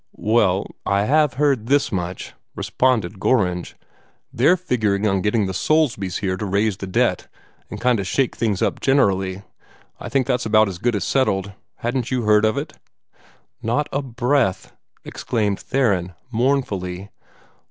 "Well, I HAVE heard this much," responded Gorringe. "They're figuring on getting the Soulsbys here to raise the debt and kind o' shake things up generally. I guess that's about as good as settled. Hadn't you heard of it?" "Not a breath!" exclaimed Theron, mournfully.